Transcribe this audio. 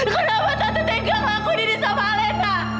kenapa tante tegang lakuin ini sama alena